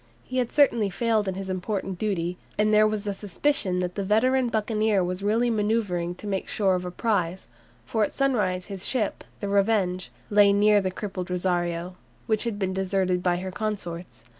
He had certainly failed in his important duty, and there was a suspicion that the veteran buccaneer was really manoeuvring to make sure of a prize, for at sunrise his ship, the "Revenge," lay near the crippled "Rosario," which had been deserted by her consorts.